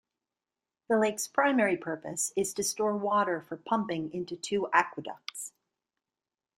The lake's primary purpose is to store water for pumping into two aqueducts.